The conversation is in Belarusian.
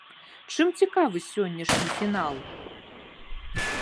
Чым цікавы сённяшні фінал?